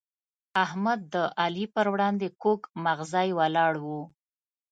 احمد د علي پر وړاندې کوږ مغزی ولاړ وو.